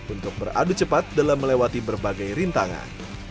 untuk beradu cepat dalam melewati berbagai rintangan